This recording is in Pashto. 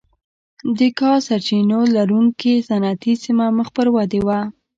د کا سرچینو لرونکې صنعتي سیمه مخ پر وده وه.